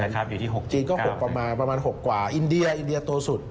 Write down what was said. อันนั้นจีนก็ประมาณ๖กว่าอินเดียตัวสุด